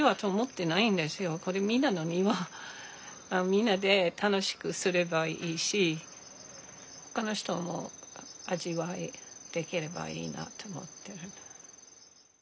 みんなで楽しくすればいいしほかの人も味わいできればいいなと思ってる。